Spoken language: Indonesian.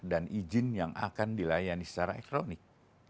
dan izin yang akan dilayani secara ekronik